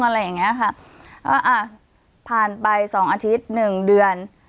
อะไรอย่างเงี้ยค่ะก็อ่ะผ่านไปสองอาทิตย์หนึ่งเดือน